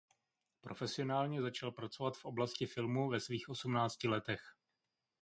Profesionálně začal pracovat v oblasti filmu ve svých osmnácti letech.